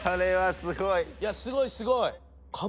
すごいすごい！